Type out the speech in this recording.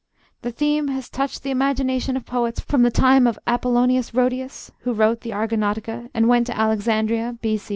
The theme has touched the imagination of poets from the time of Apollonius Rhodius, who wrote the 'Argonautica' and went to Alexandria B.C.